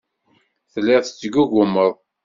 Telliḍ tettgugumeḍ.